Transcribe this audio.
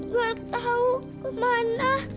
ibu gak tahu kemana